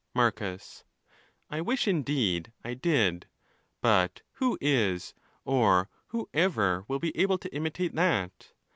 Marcus.—I wish, indeed, I did, but who is, or who ever will be able to imitate that?